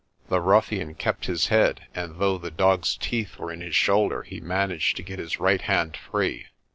The ruffian kept his head and though the dog's teeth were in his shoulder, he managed to get his right hand free.